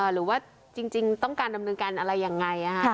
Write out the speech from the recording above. หรือว่าจริงต้องการดำเนินการอะไรยังไง